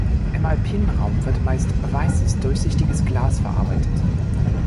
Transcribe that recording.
Im alpinen Raum wird meist weißes durchsichtiges Glas verarbeitet.